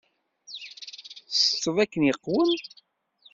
Tsetteḍ akken iqwem?